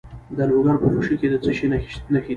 د لوګر په خوشي کې د څه شي نښې دي؟